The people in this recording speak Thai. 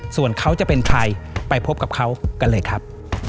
ส่วนเขาจะเป็นใครไปพบกับเขากันเลยครับ